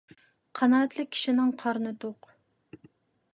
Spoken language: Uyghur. قانائەتلىك كىشىنىڭ قارنى توق.